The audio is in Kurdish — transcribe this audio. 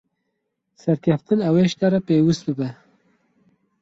Serkeftin ew ê ji te re pêwîst bibe.